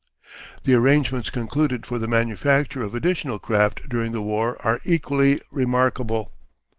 The arrangements concluded for the manufacture of additional craft during the war are equally remarkable.